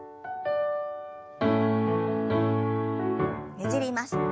ねじります。